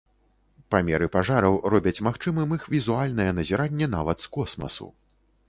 Памеры пажараў робяць магчымым іх візуальнае назіранне нават з космасу.